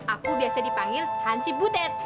aku biasa dipanggil hansi butet